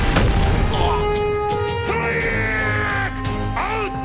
アウト！